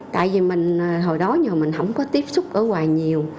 tại vì mình hồi đó nhờ mình không có tiếp xúc ở ngoài nhiều